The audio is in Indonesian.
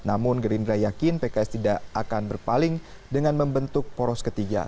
namun gerindra yakin pks tidak akan berpaling dengan membentuk poros ketiga